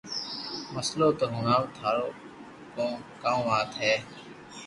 مسلو تو ھڻاو ٿارو ڪو ڪاو وات ھي